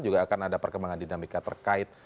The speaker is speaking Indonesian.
juga akan ada perkembangan dinamika terkait